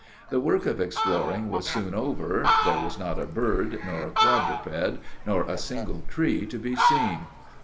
The work of exploring was soon over there was not a bird, nor a quadruped, nor a single tree to be seen.